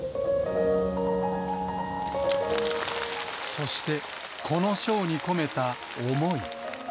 そして、このショーに込めた思い。